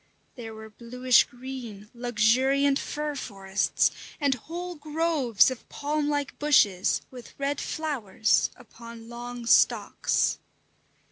There were bluish green, luxuriant "fir forests," and whole groves of palm like bushes with red flowers upon long stalks.